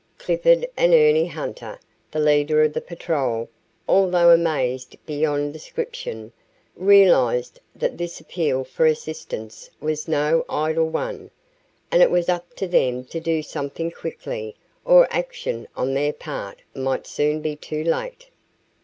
Clifford and Ernie Hunter, the leader of the patrol, although amazed beyond description, realized that this appeal for assistance was no idle one, and it was up to them to do something quickly or action on their part might soon be too late.